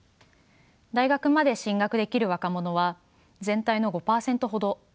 大学まで進学できる若者は全体の５％ほど。